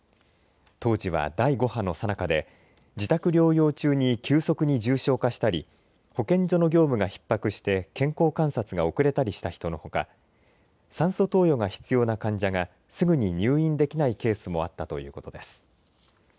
当時は第５波のさなかで、自宅療養中に急速に重症化したり保健所の業務がひっ迫して健康観察が遅れたりした人のほか酸素投与が必要な患者がすぐに入院できないケースもあったということです。